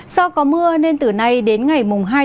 do có mưa nên từ nay đến ngày hai một mươi một